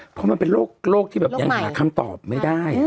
เพราะมันเป็นโรคที่แบบยังหาคำตอบไม่ได้